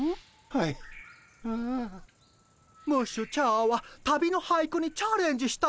ムッシュチャーは旅の俳句にチャレンジしたいのです。